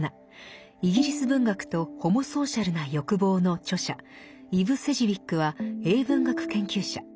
イギリス文学とホモソーシャルな欲望」の著者イヴ・セジウィックは英文学研究者。